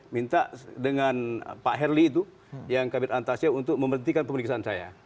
minta dengan pak herli itu yang kabir antasya untuk memerhentikan pemeriksaan saya